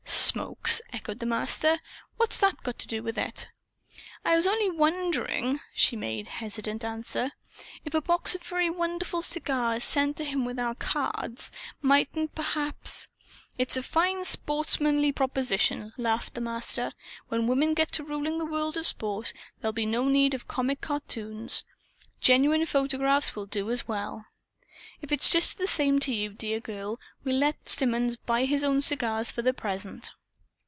"Smokes?" echoed the Master. "What's that got to do with it?" "I was only wondering," she made hesitant answer, "if a box of very wonderful cigars, sent to him with our cards, mightn't perhaps " "It's a fine sportsmanly proposition!" laughed the Master. "When women get to ruling the world of sport, there'll be no need of comic cartoons. Genuine photographs will do as well. If it's just the same to you, dear girl, we'll let Symonds buy his own cigars, for the present.